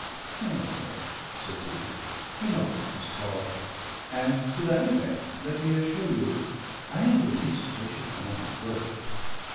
"Colonel Burke," says he, "do not let us quarrel; and, to that effect, let me assure you I am the least patient man in the world."